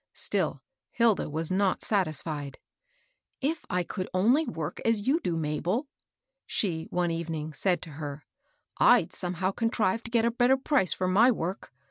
Still Hilda was not satisfied. " If I could only work as you do, Mabel," ahe. 66 MABEL BOSS. one evening, said to her, " I'd somehow contrive to get a better price for my work.